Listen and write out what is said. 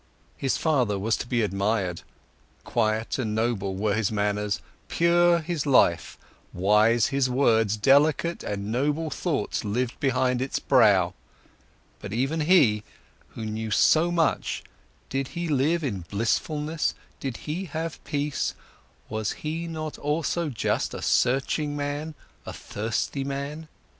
His father was to be admired, quiet and noble were his manners, pure his life, wise his words, delicate and noble thoughts lived behind its brow—but even he, who knew so much, did he live in blissfulness, did he have peace, was he not also just a searching man, a thirsty man?